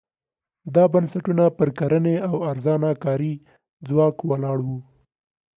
دا بنسټونه پر کرنې او ارزانه کاري ځواک ولاړ وو.